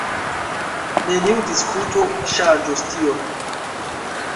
Neniu diskuto ŝanĝos tion.